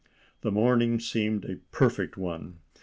The morning seemed a perfect one.